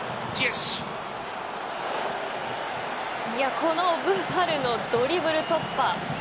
このブファルのドリブル突破。